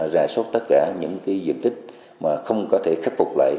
ra soát tất cả những diện tích mà không có thể khắc phục lại